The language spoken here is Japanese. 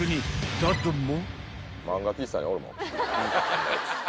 ［だども］